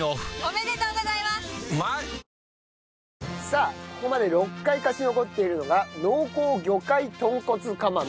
さあここまで６回勝ち残っているのが濃厚魚介豚骨釜飯。